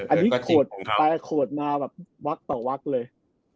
อันนี้แปลโคตรมาวักต่อวักเลย